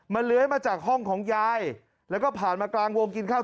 เลื้อยมาจากห้องของยายแล้วก็ผ่านมากลางวงกินข้าว